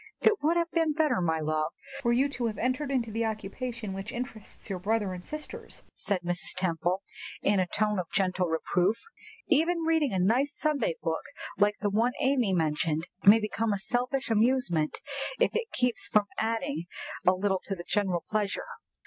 "It would have been better, my love, for you to have entered into the occupation which interests your brothers and sisters," said Mrs. Temple, in a tone of gentle reproof. "Even reading a nice Sunday book like the one Amy mentioned may become a selfish amusement, if it keeps us from adding a little to the general pleasure."